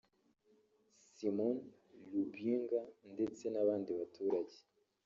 Simone Loubienga ndetse n’abandi baturage